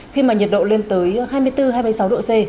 khi mà nhiệt độ lên tới hai mươi bốn hai mươi sáu độ c